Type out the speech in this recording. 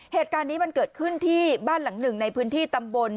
เหตุการณ์นี้มันเกิดขึ้นที่บ้านหลังหนึ่งในพื้นที่ตำบล